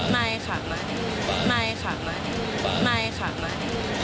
ไม่ค่ะไม่ค่ะไม่ค่ะไม่ค่ะไม่ค่ะไม่ค่ะ